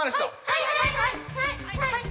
はいはい！